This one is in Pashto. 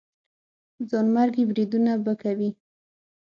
ځانمرګي بریدونه به کوي.